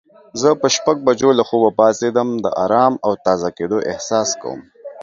زه په شپږ بجو له خوبه پاڅیدم د آرام او تازه کیدو احساس کوم.